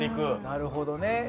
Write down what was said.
なるほどね。